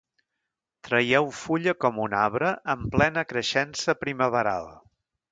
Traieu fulla com un arbre en plena creixença primaveral.